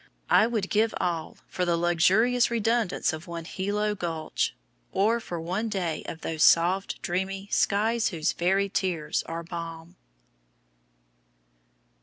I would give all for the luxurious redundance of one Hilo gulch, or for one day of those soft dreamy "skies whose very tears are balm."